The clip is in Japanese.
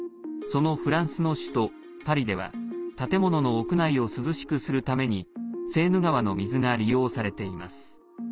そのフランスの首都パリでは建物の屋内を涼しくするためにセーヌ川の水が利用されています。